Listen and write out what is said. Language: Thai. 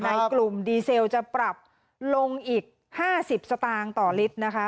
ในกลุ่มดีเซลจะปรับลงอีก๕๐สตางค์ต่อลิตรนะคะ